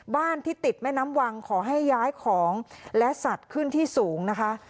บ้านที่ติดแม่น้ำวังขอให้ย้ายของและสัตว์ขึ้นที่สูงนะคะ